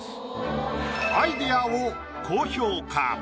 アイディアを高評価。